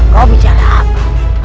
kau bicara apa